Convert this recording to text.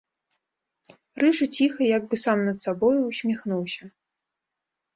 Рыжы ціха, як бы сам над сабою, усміхнуўся.